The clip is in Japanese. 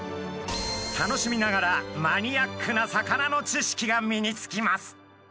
楽しみながらマニアックな魚の知識が身につきます。